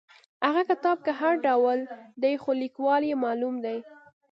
هغه کتاب که هر ډول دی خو لیکوال یې معلوم دی.